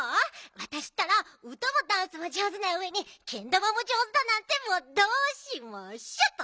わたしったらうたもダンスも上手なうえにけん玉も上手だなんてもうどうしましょっと！